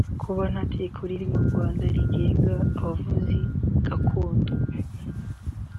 Kuba nta tegeko riri mu Rwanda rigenga abavuzi gakondo